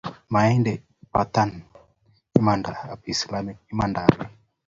maindeni batan imandab islamik imanda ake